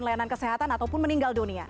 layanan kesehatan ataupun meninggal dunia